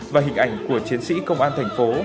và hình ảnh của chiến sĩ công an thành phố